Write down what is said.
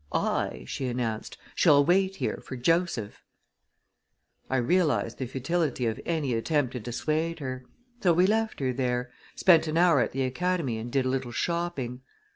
"I," she announced, "shall wait here for Joseph!" I realized the futility of any attempt to dissuade her; so we left her there, spent an hour at the Academy and did a little shopping.